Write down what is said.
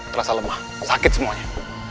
terasa lemah sakit semuanya